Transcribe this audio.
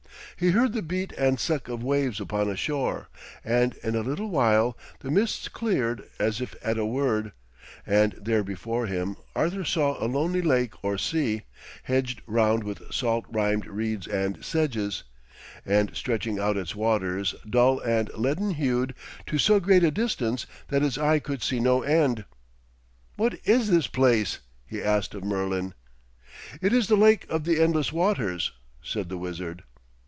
He heard the beat and suck of waves upon a shore, and in a little while the mists cleared as if at a word, and there before him Arthur saw a lonely lake or sea, hedged round with salt rimed reeds and sedges, and stretching out its waters, dull and leaden hued, to so great a distance that his eye could see no end. 'What is this place?' he asked of Merlin. 'It is the Lake of the Endless Waters,' said the wizard.